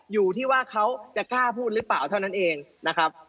อยู่ที่ว่าเขาจะกล้าพูดหรือเปล่าเท่านั้นเองนะครับ